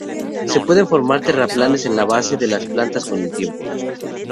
Se pueden formar terraplenes en la base de las plantas con el tiempo.